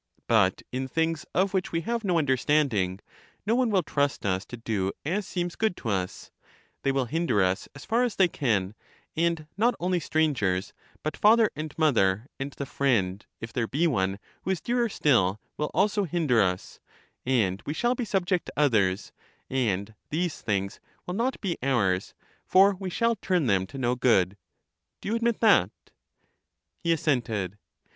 But in things of which we have no understanding, no one will trust us to do as seems good to us — they will hinder us as far as they can ; and not only strangers, but father and mother, and the friend, if there be one, who is dearer still, will also hinder us; and we shall be subject to others; and these things will not be ours, for we shall turn them to no good. Do you admit that? He assented.